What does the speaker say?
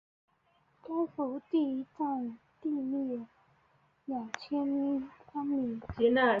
该府第占地面积约两千平方米。